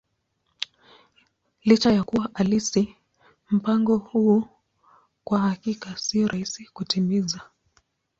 Licha ya kuwa halisi, mpango huu kwa hakika sio rahisi kutimiza.